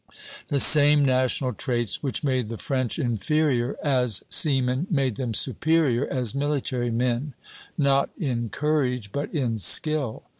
The same national traits which made the French inferior as seamen made them superior as military men; not in courage, but in skill.